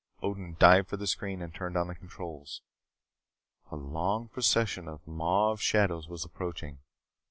Odin dived for the screen and turned on the controls. A long procession of mauve shadows was approaching.